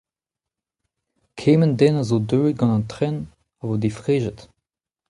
Kement den a zo deuet gant an tren a vo difrejet.